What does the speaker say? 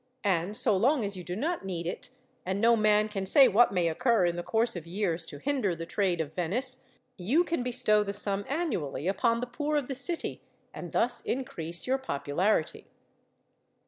And so long as you do not need it and no man can say what may occur, in the course of years, to hinder the trade of Venice you can bestow the sum annually upon the poor of the city, and thus increase your popularity."